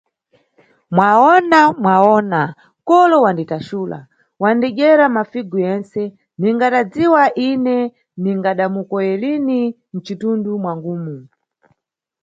Mwawona, Mwawona, kolo wanditaxula, wadidyera mafigu yentse, ndigadadziwa ine ningada mukoye lini mcindundu mwangumu.